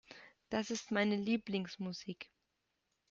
Das ist meine Lieblingsmusik.